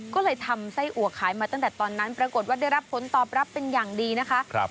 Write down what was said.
ก็เลยทำไส้อัวขายมาตั้งแต่ตอนนั้นปรากฏว่าได้รับผลตอบรับเป็นอย่างดีนะคะ